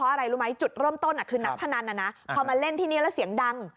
อะไรรู้ไหมจุดเริ่มต้นคือนักพนันนะพอมาเล่นที่นี่แล้วเสียงดัง